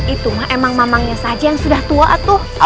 itu emang mamangnya saja yang sudah tua